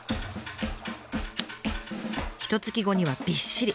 ひとつき後にはびっしり。